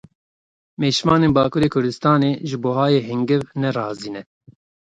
Mêşvanên Bakurê Kurdisanê ji buhayê hingiv ne razî ne.